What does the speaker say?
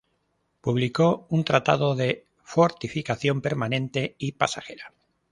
Publicó un "Tratado de fortificación permanente y pasajera".